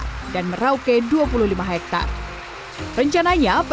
rencananya pmi akan bekerja dengan kesejahteraan lahan jagung yang tersebar di seluruh wilayah papua